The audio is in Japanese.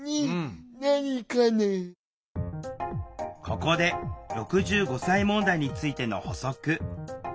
ここで６５歳問題についての補足。